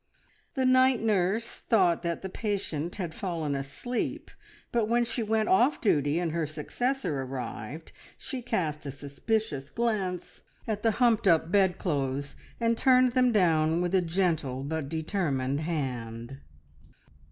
The night nurse thought that the patient had fallen asleep, but when she went off duty, and her successor arrived, she cast a suspicious glance at the humped up bedclothes, and turned them down with a gentle but determined hand.